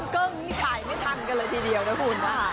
เกิ้งนี่ถ่ายไม่ทันกันเลยทีเดียวนะคุณค่ะ